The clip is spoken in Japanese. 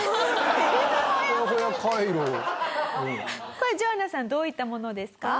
これジョアナさんどういったものですか？